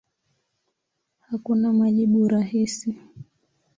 Hakuna majibu rahisi.